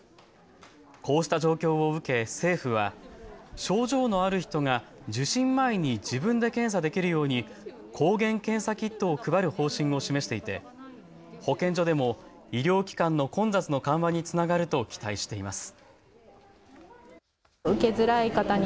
こうした状況を受け政府は症状のある人が受診前に自分で検査できるように抗原検査キットを配る方針を示していて保健所でも医療機関の混雑の緩和につながると期待しています。